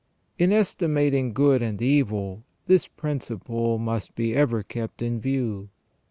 In estimating good and evil this principle must be ever kept in view.